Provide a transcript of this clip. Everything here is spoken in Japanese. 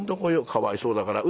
かわいそうだから。